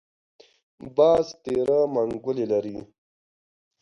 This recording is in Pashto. باز تېره منګولې لري